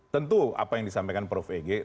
tentu apa yang disampaikan prof ege